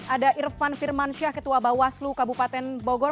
ada irfan firmansyah ketua bawaslu kabupaten bogor